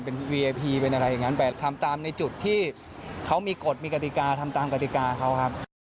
เป็นวีไอพีเป็นอะไรอย่างนั้นแต่ทำตามในจุดที่เขามีกฎมีกติกาทำตามกติกาเขาครับ